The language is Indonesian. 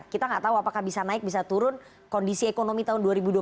kita nggak tahu apakah bisa naik bisa turun kondisi ekonomi tahun dua ribu dua puluh satu